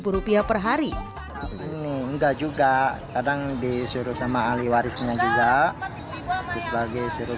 seratus rupiah perhari ini enggak juga kadang disuruh sama ahli warisnya juga selagi suruh